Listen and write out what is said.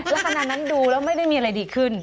แล้วขณะนั้นดูแล้วไม่ได้มีอะไรดีขึ้น